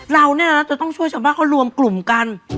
เราจะต้องช่วยชาวบ้านเขารวมกลุ่มกัน